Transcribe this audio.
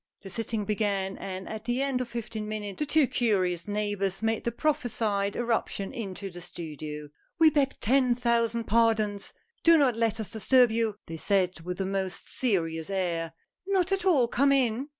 The sitting began, and at the end of fifteen minutes, the two curious neighbors made the prophesied erup tion into the studio. "We beg ten thousand pardons! Do not let us disturb you," they said with a most serious air. "Not at all, come in!